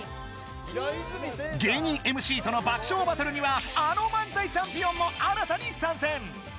芸人ＭＣとの爆笑バトルにはあの漫才チャンピオンも新たに参戦。